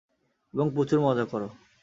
এবং প্রচুর মজা করো!